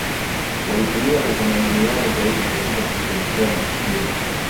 Walitumia utamaduni wao zaidi katika kusherehekea matukio